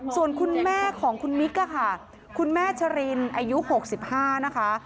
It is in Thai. ส่วนคุณแม่ของคุณมิกค่ะคุณแม่ชรินอายุ๖๕นะคะ